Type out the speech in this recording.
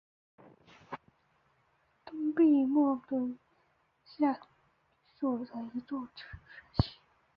东瑟莫波利斯下属的一座城市。